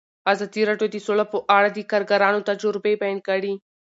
ازادي راډیو د سوله په اړه د کارګرانو تجربې بیان کړي.